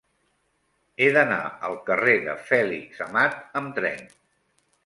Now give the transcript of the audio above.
He d'anar al carrer de Fèlix Amat amb tren.